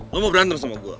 kamu mau berantem sama gue